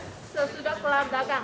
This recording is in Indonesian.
sesudah kelar dagang